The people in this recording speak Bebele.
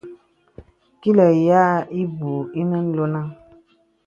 Kilə̀ ǹyàk ìbūū ìnə lɔnàŋ.